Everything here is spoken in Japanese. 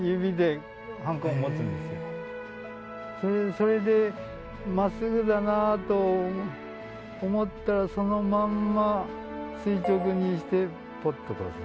それでまっすぐだなと思ったらそのまんま垂直にしてポッとこう押す。